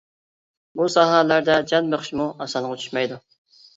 بۇ ساھەلەردە جان بېقىشمۇ ئاسانغا چۈشمەيدۇ.